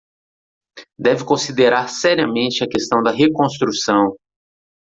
Deve considerar seriamente a questão da reconstrução